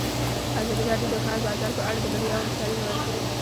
ازادي راډیو د د کار بازار په اړه د بریاوو مثالونه ورکړي.